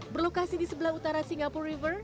berlokasi di sebelah utara singapura river